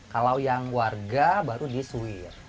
kalau yang warga baru disuir